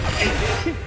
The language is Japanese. フッ！